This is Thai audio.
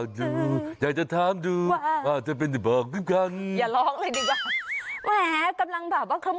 กำลังบอกว่าเขาบอกว่า